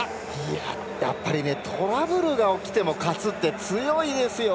やっぱりトラブルが起きても勝つって、強いですよ！